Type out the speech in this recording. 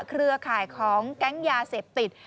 เครือข่ายของแก๊งยาเสพติด